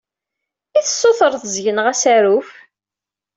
I tessutreḍ seg-neɣ asaruf?